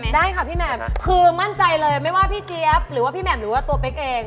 ได้ค่ะพี่แหม่มคือมั่นใจเลยไม่ว่าพี่เจี๊ยบหรือว่าพี่แหม่มหรือว่าตัวเป๊กเอง